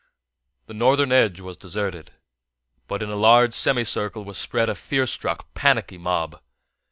The northern edge was deserted, but in a large semicircle was spread a fear struck, panicky mob.